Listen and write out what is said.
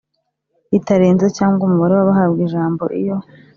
ritarenza cyangwa umubare w abahabwa ijambo iyo